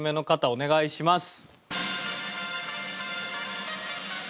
お願いします。